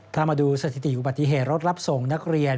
ถ้ามาดูสถิติอุบัติเหตุรถรับส่งนักเรียน